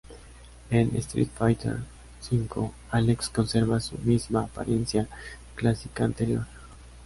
En "Street Fighter V", Alex conserva su misma apariencia clásica anterior.